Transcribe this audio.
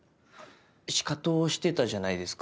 シカトしてたじゃないですか。